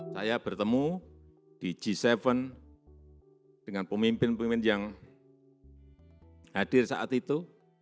saya bertemu di g tujuh dengan pemimpin pemimpin yang hadir saat itu